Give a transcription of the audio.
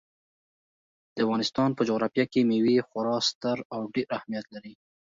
د افغانستان په جغرافیه کې مېوې خورا ستر او ډېر اهمیت لري.